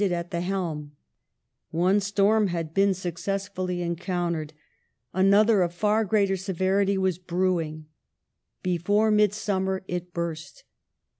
1857] NEWS OF THE INDIAN MUTINY 257 been successfully encountered ; another of far greater severity was brewing. Before midsummer it burst.